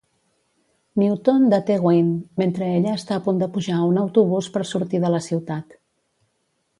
Newton deté Gwen mentre ella està a punt de pujar a un autobús per sortir de la ciutat.